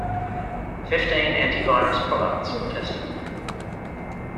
Fifteen anti-virus products were tested.